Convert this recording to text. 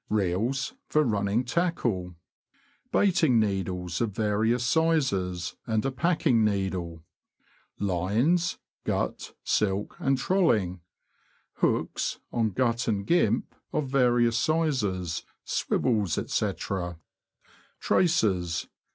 Reels for running tackle. Baiting needles of various sizes, and a packing needle. Lines — gut, silk, and trolling. Hooks, on gut and gimp, of various sizes. Swivels, &c. Traces.